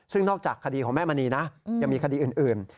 ซึ่งนอกจากคดีของแม่มณีนะยังมีคดีอื่น